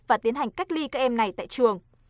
và tiến hành cách ly các em này tại trường